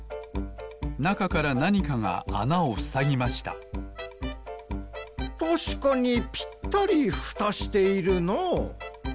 なかからなにかがあなをふさぎましたたしかにぴったりふたしているなあ。